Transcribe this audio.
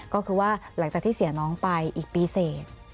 ก็คือว่าหลังจากที่เสียน้องไปอีกปีเสร็จ